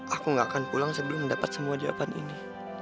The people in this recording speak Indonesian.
aku gak akan pulang sebelum mendapat semua jawaban ini